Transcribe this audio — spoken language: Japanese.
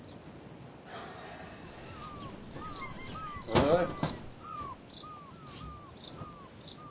おい。